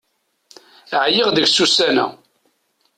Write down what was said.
Ɛyiɣ deg-s ussan-a.